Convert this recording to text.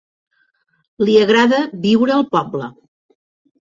Li agrada viure al poble.